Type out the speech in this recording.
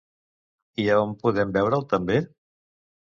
I a on podem veure'l també?